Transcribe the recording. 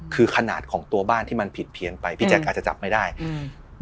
คือขนาดของตัวบ้านที่มันผิดเพี้ยนไปพี่แจ๊คอาจจะจับไม่ได้อืม